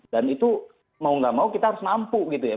dan itu mau nggak mau kita harus mampu gitu ya